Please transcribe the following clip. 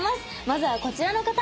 まずはこちらの方。